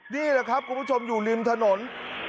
นี่แหละครับคุณผู้ชมอยู่ริมถนน